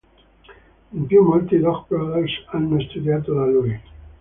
In più molti Dog Brothers hanno studiato da lui.